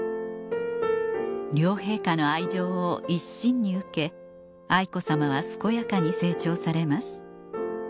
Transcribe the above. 両陛下の愛情を一身に受け愛子さまは健やかに成長されます